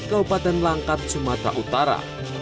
kabupaten langkat sumatera utara